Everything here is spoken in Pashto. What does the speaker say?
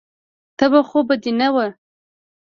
تبه خو به دې نه وه.